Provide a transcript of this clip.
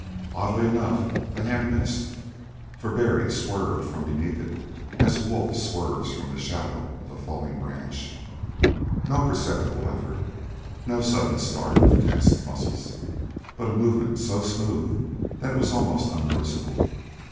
Oddly enough, the hand missed, for Barry swerved from beneath it as a wolf swerves from the shadow of a falling branch. No perceptible effort no sudden start of tensed muscles, but a movement so smooth that it was almost unnoticeable.